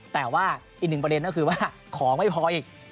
แต่ว่าอีกหนึ่งประเด็นก็คือว่าของไม่พออีก